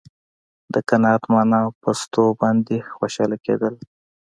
د قناعت معنا په شتو باندې خوشاله کېدل.